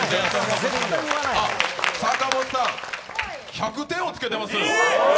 坂本さん、１００点をつけてます！